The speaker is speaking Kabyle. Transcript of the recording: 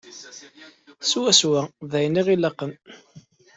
Swaswa d ayen i ɣ-ilaqen.